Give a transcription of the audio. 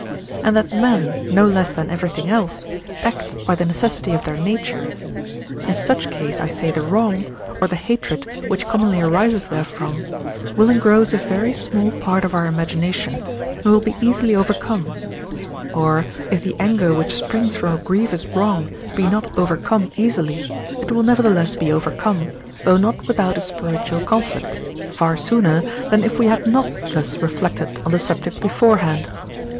and that men, no less than everything else, act by the necessity of their nature: in such case I say the wrong, or the hatred, which commonly arises therefrom, will engross a very small part of our imagination and will be easily overcome; or, if the anger which springs from a grievous wrong be not overcome easily, it will nevertheless be overcome, though not without a spiritual conflict, far sooner than if we had not thus reflected on the subject beforehand.